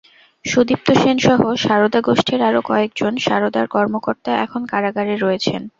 সুদীপ্ত সেনসহ সারদা গোষ্ঠীর আরও কয়েকজন সারদার কর্মকর্তা এখন কারাগারে রয়েছেন।